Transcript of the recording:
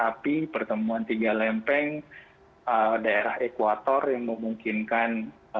tapi pertemuan tiga lempeng daerah ekuator yang memungkinkan